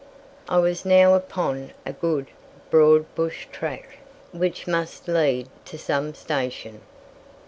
I was now upon a good, broad bush track, which must lead to some station.